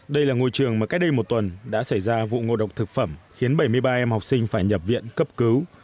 đây là ngôi trường mà cách đây một tuần đã xảy ra vụ ngộ độc thực phẩm khiến bảy mươi ba em học sinh phải nhập viện cấp cứu